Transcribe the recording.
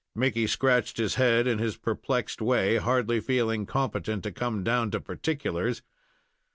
Mickey scratched his head in his perplexed way, hardly feeling competent to come down to particulars.